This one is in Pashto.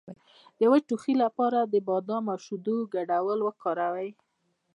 د وچ ټوخي لپاره د بادام او شیدو ګډول وکاروئ